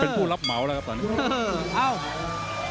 เป็นผู้รับเหมาแล้วครับตอนนี้